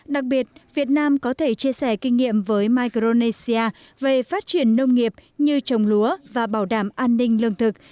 đặc biệt việt nam có thể chia sẻ kinh nghiệm với micronesia về phát triển nông nghiệp như trồng lúa và bảo đảm an ninh lương thực